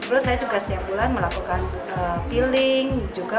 lalu setiap bulan melakukan peeling dan laser